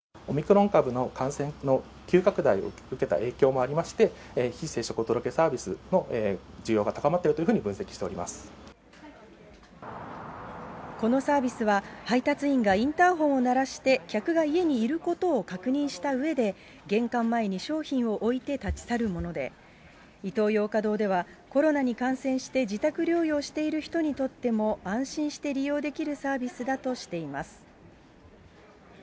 オミクロン株の感染の急拡大を受けた影響もありまして、非接触お届けサービスの需要が高まっているというふうに分析してこのサービスは、配達員がインターホンを鳴らして客が家にいることを確認したうえで、玄関前に商品を置いて立ち去るもので、イトーヨーカドーでは、コロナに感染して自宅療養している人にとっても安心して利用できるサービスだとしています。